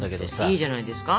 いいじゃないですか。